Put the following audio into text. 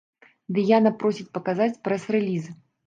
Дыяна просіць паказаць прэс-рэліз.